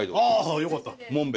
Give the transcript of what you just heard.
あよかった。